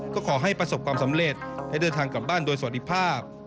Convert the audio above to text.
ก็ขอให้ประสบความสำเร็จให้เดินทางกลับบ้านโดยสวัสดีภาพ